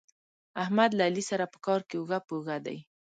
احمد له علي سره په کار کې اوږه په اوږه دی.